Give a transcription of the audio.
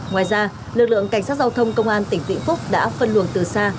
ngoài ra lực lượng cảnh sát giao thông công an tỉnh vĩnh phúc đã phân luồng từ xa